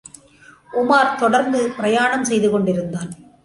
உமார் தொடர்ந்து பிரயாணம் செய்து கொண்டிருந்தான்.